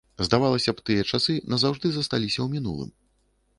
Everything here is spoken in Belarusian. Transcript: Здавалася б, тыя часы назаўжды засталіся ў мінулым.